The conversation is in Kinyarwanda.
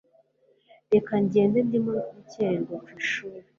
reka ngende ndimo gukererwa kwishuli